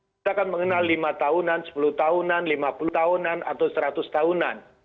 kita akan mengenal lima tahunan sepuluh tahunan lima puluh tahunan atau seratus tahunan